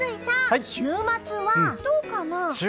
三井さん、週末はどうかな？